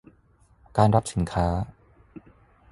การรับสินค้า